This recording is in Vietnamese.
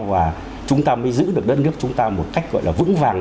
và chúng ta mới giữ được đất nước chúng ta một cách gọi là vững vàng